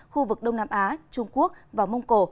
khu vực đông nam á trung quốc và mông cổ